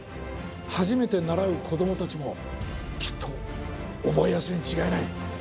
初めて習う子どもたちもきっと覚えやすいにちがいない！